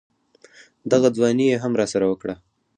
دغه ځواني يې هم راسره وکړه.